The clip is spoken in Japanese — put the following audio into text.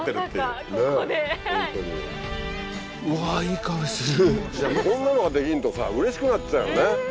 こんなのができるとさうれしくなっちゃうよね。